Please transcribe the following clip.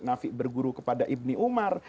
nafi berguru kepada ibni umar